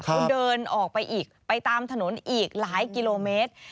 เขาเดินออกไปอีกไปตามถนนอีกหลายกิโลเมตร